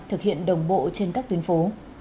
thực hiện đồng bộ trên các tuyến phố